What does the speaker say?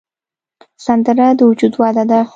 سندره د وجد وده ده